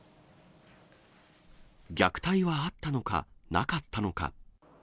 虐待はあったのか、なかったのか。